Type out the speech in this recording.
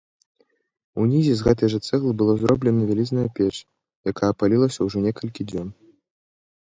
Унізе з гэтай жа цэглы была зроблена вялізная печ, якая палілася ўжо некалькі дзён.